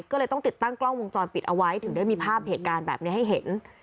ก็เลยต้องติดตั้งกล้องวงจรปิดเอาไว้ถึงได้มีภาพเหตุการณ์แบบนี้ให้เห็น